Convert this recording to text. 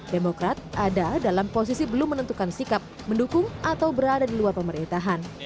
demokrat ada dalam posisi belum menentukan sikap mendukung atau berada di luar pemerintahan